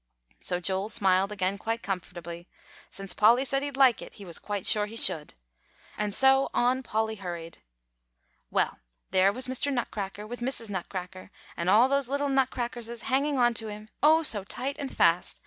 So Joel smiled again quite comfortably; since Polly said he'd like it, he was quite sure he should. And so, on Polly hurried. "Well, there was Mr. Nutcracker with Mrs. Nutcracker and all those little Nutcrackerses hanging on to him, oh, so tight and fast!